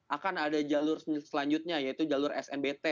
akan ada jalur selanjutnya yaitu jalur snbt